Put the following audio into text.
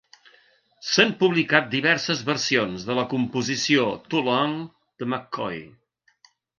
S'han publicat diverses versions de la composició "Too Long" de McCoy.